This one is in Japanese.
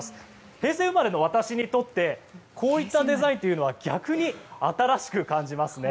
平成生まれの私にとってこういったデザインは逆に新しく感じますね。